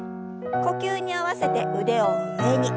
呼吸に合わせて腕を上に。